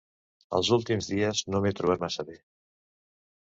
Els últims dies no m'he trobat massa bé.